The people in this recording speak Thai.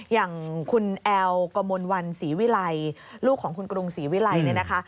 อย่างคุณแอลกมลวันศรีวิลัยลูกของคุณกรุงศรีวิลัยเนี่ยนะคะ